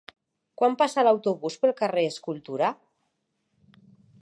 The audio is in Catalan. Quan passa l'autobús pel carrer Escultura?